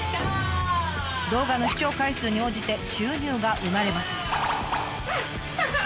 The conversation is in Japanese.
動画の視聴回数に応じて収入が生まれます。